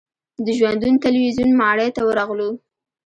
د ژوندون تلویزیون ماڼۍ ته ورغلو.